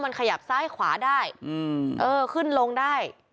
มันขยับซ้ายขวาได้ขึ้นลงได้